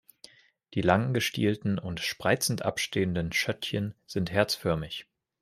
Die lang gestielten und spreizend abstehenden Schötchen sind herzförmig.